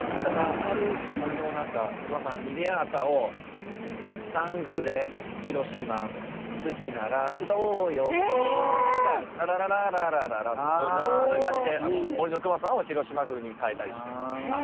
「あるひもりのなかくまさんにであった」を「サンフレ広島好きなら歌おうよ」が「ララララララララ」ってそういう感じで「もりのくまさん」を広島風に変えたりしてやってました。